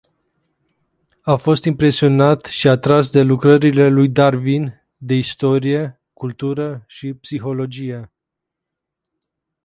A fost impresionat și atras de lucrările lui Darwin, de istorie, cultură și psihologie.